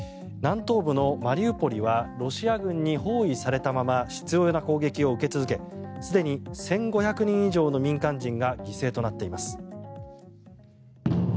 南東部のマリウポリはロシア軍に包囲されたまま執ような攻撃を受け続けすでに１５００人以上の民間人が犠牲になっています。